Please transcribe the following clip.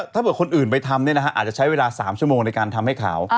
ถ้าเกิดคนอื่นไปทำอาจจะใช้เวลา๓ชั่วโมงในการทำให้ขาว